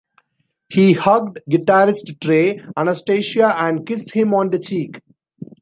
He hugged guitarist Trey Anastasio and kissed him on the cheek.